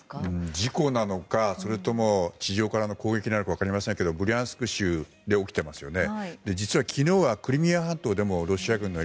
事故なのかそれとも地上からの攻撃なのか分かりませんけれどもブリャンスク州で起きていますよね。